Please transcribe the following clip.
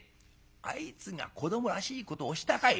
あいつが子どもらしいことをしたかい？